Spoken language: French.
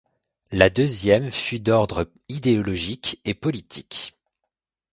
La deuxième fut d'ordre idéologique et politique.